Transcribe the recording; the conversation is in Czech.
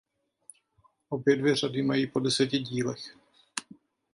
Obě dvě řady mají po deseti dílech.